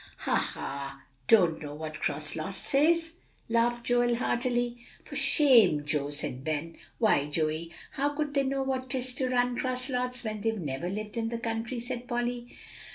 "Ha, ha! don't know what 'cross lots is," laughed Joel heartily. "For shame, Joe!" said Ben, and "Why, Joey, how could they know what 'tis to run 'cross lots, when they've never lived in the country," said Polly.